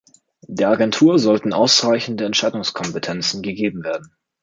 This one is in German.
Der Agentur sollten ausreichende Entscheidungskompetenzen gegeben werden.